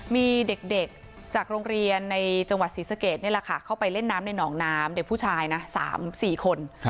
มีเด็กจากโรงเรียนในจังหวัดศรีสะเกดนี่แหละค่ะเข้าไปเล่นน้ำในหนองน้ำเด็กผู้ชายนะ๓๔คน